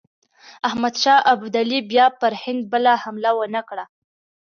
احمدشاه ابدالي بیا پر هند بله حمله ونه کړه.